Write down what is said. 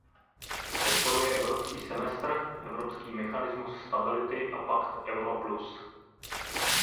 Podporuje evropský semestr, evropský mechanismus stability a pakt Euro plus.